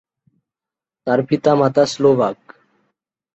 তার পিতা-মাতা স্লোভাক।